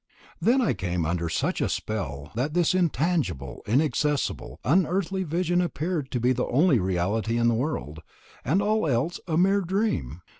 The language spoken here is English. Then I came under such a spell that this intangible, inaccessible, unearthly vision appeared to be the only reality in the world and all else a mere dream.